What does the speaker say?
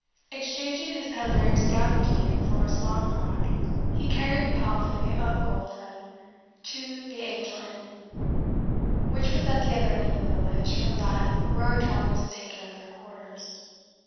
Exchanging his pedlar's gaberdine for a smock frock, he carried the palfrey of Goldthred to the Angel Inn, which was at the other end of the village from that where our travellers had taken up their quarters.